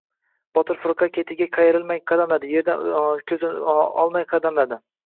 Botir firqa ketiga qayrilmay qadamladi. Yerdan ko‘zini olmay qadamladi.